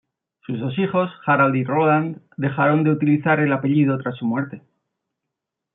Sus dos hijos, Harald y Roland, dejaron de utilizar el apellido tras su muerte.